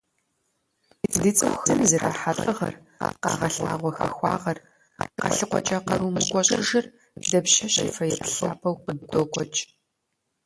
Ди цӀыхухэм зэрахьа лӀыгъэр, къагъэлъэгъуа хахуагъэр, къалъыкъуэкӀа къару мыкӀуэщӀыжыр дапщэщи фэеплъ лъапӀэу къыддокӀуэкӀ.